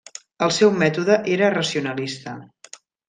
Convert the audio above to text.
El seu mètode era racionalista.